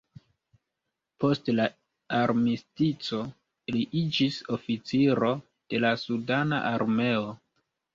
Post la armistico li iĝis oficiro de la sudana armeo.